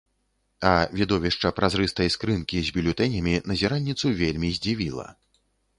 А відовішча празрыстай скрынкі з бюлетэнямі назіральніцу вельмі здзівіла.